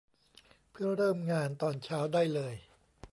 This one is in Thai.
เพื่อเริ่มงานตอนเช้าได้เลย